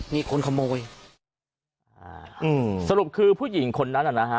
มีคนขโมยอ่าอืมสรุปคือผู้หญิงคนนั้นอ่ะนะฮะ